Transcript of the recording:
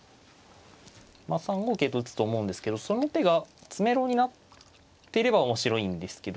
まあ３五桂と打つと思うんですけどその手が詰めろになってれば面白いんですけど。